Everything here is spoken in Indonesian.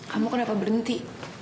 kamu kenapa berhenti